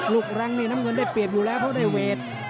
แรงนี่น้ำเงินได้เปรียบอยู่แล้วเพราะได้เวท